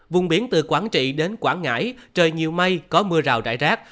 vùng biển từ quảng trị đến quảng ngãi trời nhiều mây có mưa rào rải rác